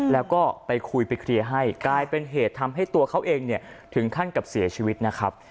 แล้วก็ไปคุยไปเคลียร์ให้กลายเป็นเหตุทำให้ตัวเขาเองเนี่ยถึงขั้นกับเสียชีวิตนะครับ